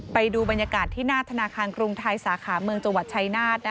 ไปดูบรรยากาศที่หน้าธนาคารกรุงไทยสาขาเมืองจังหวัดชายนาฏ